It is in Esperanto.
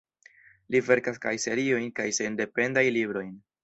Li verkas kaj seriojn kaj sendependajn librojn.